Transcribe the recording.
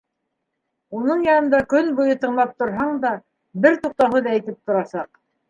Уның янында көн буйы тыңлап торһаң да, бер туҡтауһыҙ әйтеп торасаҡ.